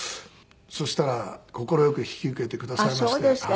そしたら快く引き受けてくださいまして。